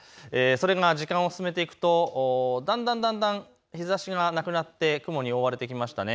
時間を進めていくとだんだん日ざしがなくなって雲に覆われてきました。